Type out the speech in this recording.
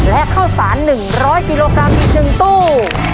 และข้าวสาร๑๐๐กิโลกรัมอีก๑ตู้